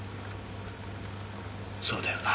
そうだよな？